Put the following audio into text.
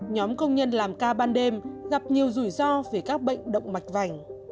nhóm công nhân làm ca ban đêm gặp nhiều rủi ro về các bệnh động mạch vành